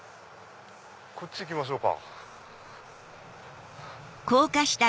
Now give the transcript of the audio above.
こっち行きましょうか。